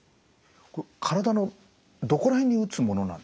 体のどこら辺に打つものなんですか？